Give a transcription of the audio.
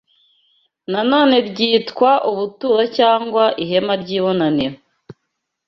Nanone ryitwa ubuturo cyangwa ihema ry’ibonaniro